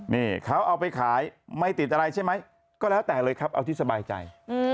นี่เขาเอาไปขายไม่ติดอะไรใช่ไหมก็แล้วแต่เลยครับเอาที่สบายใจ